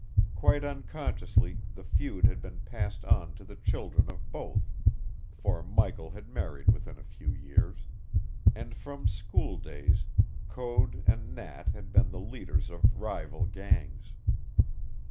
Quite unconsciously the feud had been passed on to the children of both (for Michael had married within a few years), and from school days Code and Nat had been the leaders of rival gangs.